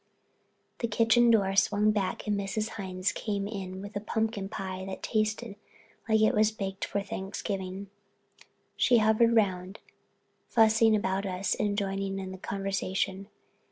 The kitchen door swung back and Mrs. Hines came in with a pumpkin pie that tasted like it was baked for Thanksgiving. She hovered round, fussing about us and joining in the conversation.